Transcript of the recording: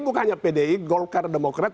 bukannya pdi gold card demokrat